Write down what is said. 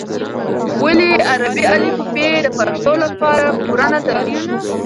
ولې عربي الفبې د پښتو لپاره پوره نه ده؟